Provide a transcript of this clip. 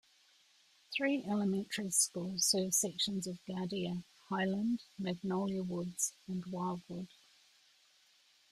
Three elementary schools serve sections of Gardere: Highland, Magnolia Woods, and Wildwood.